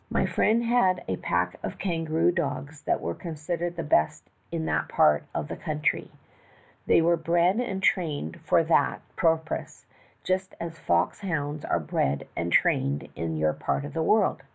My friend had a pack of kangaroo dogs that were considered the best in that part of the country ; they were bred and trained for that purpose just as fox hounds are bred and trained in your part of the world.